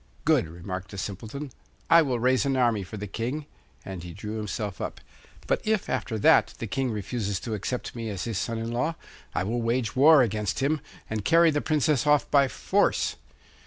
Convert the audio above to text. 'Good!' remarked the Simpleton. 'I will raise an army for the King,' and he drew himself up. 'But if, after that, the King refuses to accept me as his son in law, I will wage war against him, and carry the Princess off by force.